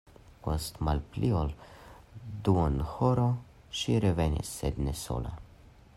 Post malpli ol duonhoro ŝi revenis, sed ne sola.